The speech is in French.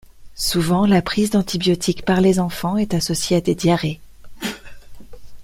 Souvent la prise d’antibiotiques par les enfants est associée à des diarrhées.